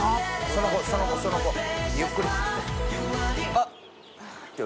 そのコそのコそのコゆっくり。